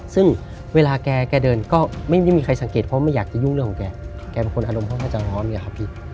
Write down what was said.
ซึ่งเวลาแกเดินก็ไม่มีใครสังเกตเพราะไม่อยากจะยุ่งเรื่องของแกแกเป็นคนอารมณ์ค่อนข้างจะร้อนไงครับพี่